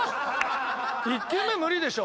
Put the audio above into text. １球目、無理でしょ。